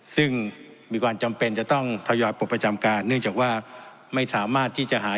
ซึ่งมีความจำเป็นจะต้องทยอยปลดประจำการเนื่องจากว่าไม่สามารถที่จะหา